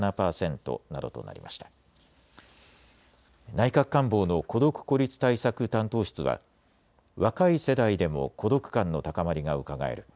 内閣官房の孤独・孤立対策担当室は若い世代でも孤独感の高まりがうかがえる。